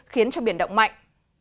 khiến cho biển động mạnh